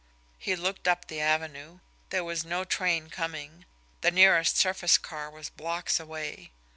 He looked up the avenue. There was no train coming; the nearest surface car was blocks away.